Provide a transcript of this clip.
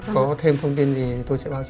có thêm thông tin gì tôi sẽ báo chị